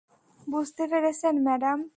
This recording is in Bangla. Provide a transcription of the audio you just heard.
বুঝতে পেরেছেন, ম্যাডাম?